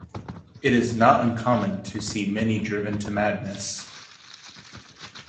It is not uncommon to see many driven to madness.